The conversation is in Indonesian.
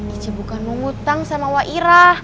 ica bukan mau ngutang sama wa ira